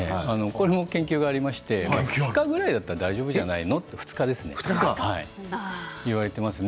これも研究がありまして２日ぐらいなら大丈夫じゃないの？と言われています。